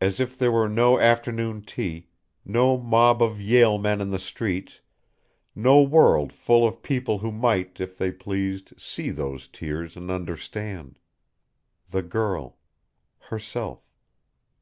As if there were no afternoon tea, no mob of Yale men in the streets, no world full of people who might, if they pleased, see those tears and understand. The girl. Herself.